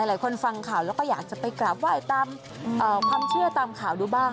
หลายคนฟังข่าวแล้วก็อยากจะไปกราบไหว้ตามความเชื่อตามข่าวดูบ้าง